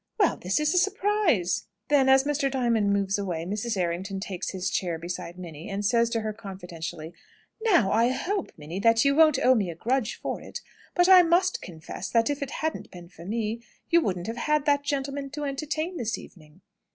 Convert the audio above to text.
Well, this is a surprise!" Then, as Mr. Diamond moves away, Mrs. Errington takes his chair beside Minnie, and says to her confidentially "Now, I hope, Minnie, you won't owe me a grudge for it; but I must confess that if it hadn't been for me, you wouldn't have had that gentleman to entertain this evening."